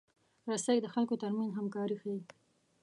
رسۍ د خلکو ترمنځ همکاري ښيي.